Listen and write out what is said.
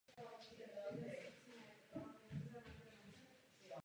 Za částečně dochovaným příkopem se nacházelo protáhlé předhradí bez dochovaných staveb.